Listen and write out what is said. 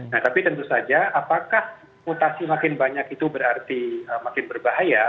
nah tapi tentu saja apakah mutasi makin banyak itu berarti makin berbahaya